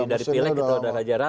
dari pilih kita sudah kehajaran